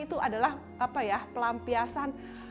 itu adalah apa ya pelampiasan